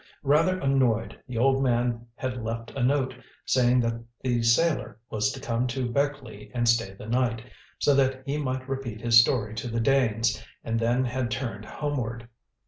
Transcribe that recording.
Rather annoyed, the old man had left a note, saying that the sailor was to come to Beckleigh and stay the night, so that he might repeat his story to the Danes, and then had turned homeward.